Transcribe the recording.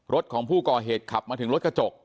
รถของผู้ก่อเหตุขับมาถึงรถกระจก